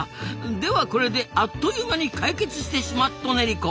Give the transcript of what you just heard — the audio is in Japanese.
ではこれであっという間に解決してシマットネリコ。